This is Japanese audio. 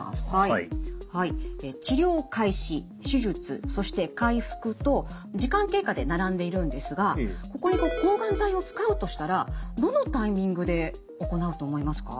治療開始手術そして回復と時間経過で並んでいるんですがここに抗がん剤を使うとしたらどのタイミングで行うと思いますか？